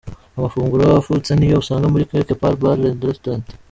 Amafunguro afutse niyo usanga muri Quelque Part Bar and Restaurent.